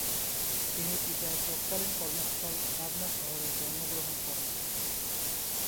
তিনি পিতার তৎকালীন কর্মস্থল পাবনা শহরে জন্মগ্রহণ করেন।